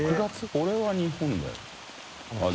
これは日本だよな。